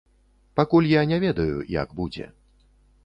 Пакуль я не ведаю, як будзе.